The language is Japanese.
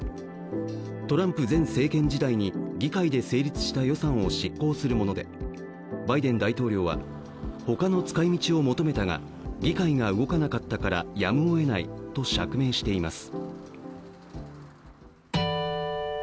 トランプ前政権時代に議会で成立した予算を執行するものでバイデン大統領は、ほかの使いみちを求めたが、議会が動かなかったからやむをえないと釈明しています。